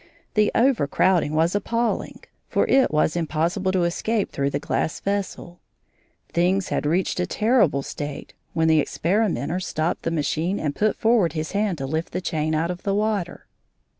The overcrowding was appalling, for it was impossible to escape through the glass vessel. Things had reached a terrible state, when the experimenter stopped the machine and put forward his hand to lift the chain out of the water.